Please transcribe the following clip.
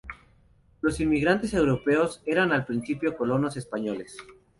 Los inmigrantes europeos eran al principio colonos españoles.